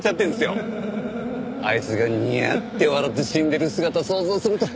あいつがニヤッて笑って死んでる姿想像すると。